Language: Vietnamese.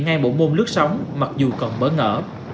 ngay bộ môn lướt sống mặc dù còn mỡ ngỡ